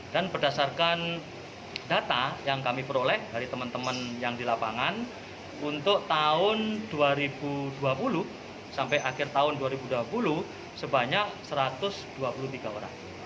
dan berdasarkan data yang kami peroleh dari teman teman yang di lapangan untuk tahun dua ribu dua puluh sampai akhir tahun dua ribu dua puluh sebanyak satu ratus dua puluh tiga orang